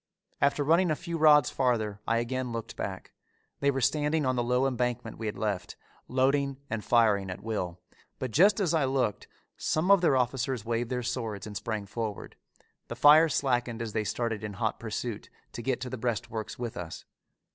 After running a few rods farther I again looked back. They were standing on the low embankment we had left, loading and firing at will, but just as I looked some of their officers waved their swords and sprang forward. The fire slackened as they started in hot pursuit to get to the breastworks with us.